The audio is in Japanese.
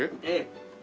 ええ。